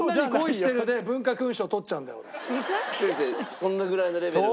そんなぐらいのレベルの？